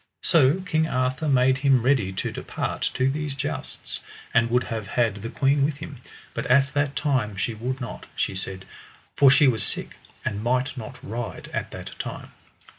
So King Arthur made him ready to depart to these jousts, and would have had the queen with him, but at that time she would not, she said, for she was sick and might not ride at that time.